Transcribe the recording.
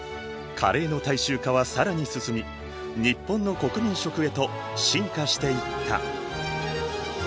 カレーの大衆化は更に進み日本の国民食へと進化していった。